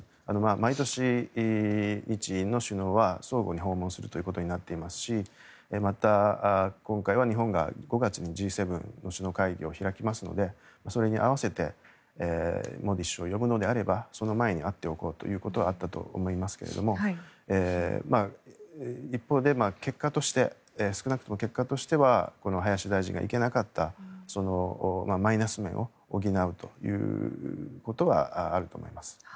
毎年、日印の首脳は相互に訪問することになっていますしまた、今回は日本が５月にＧ７の首脳会議を開きますのでそれに合わせてモディ首相を呼ぶのであればその前に会っておこうということはあったと思いますが一方で少なくとも結果としてはこの林大臣が行けなかったマイナス面を補うということはあると思います。